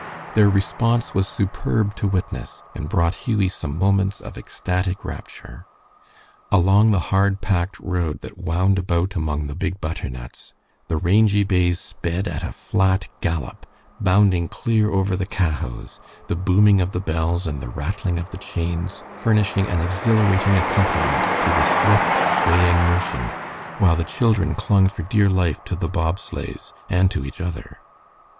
Their response was superb to witness, and brought Hughie some moments of ecstatic rapture. Along the hard packed road that wound about among the big butternuts, the rangey bays sped at a flat gallop, bounding clear over the cahots, the booming of the bells and the rattling of the chains furnishing an exhilarating accompaniment to the swift, swaying motion, while the children clung for dear life to the bob sleighs and to each other.